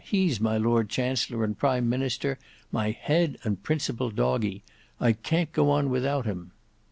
He's my Lord Chancellor and Prime Minister, my head and principal Doggy; I can't go on without him.